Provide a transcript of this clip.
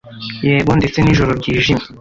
yego, ndetse nijoro ryijimye